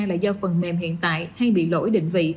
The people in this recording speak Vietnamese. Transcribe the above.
là do phần mềm hiện tại hay bị lỗi định vị